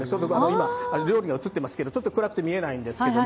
今、料理が映っていますけど、暗くて見えないんですけど。